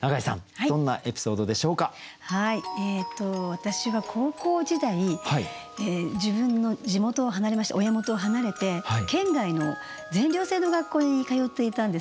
私は高校時代自分の地元を離れまして親元を離れて県外の全寮制の学校に通っていたんですね。